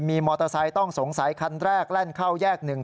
มีมอเตอร์ไซค์ต้องสงสัยคันแรกแล่นเข้าแยกหนึ่ง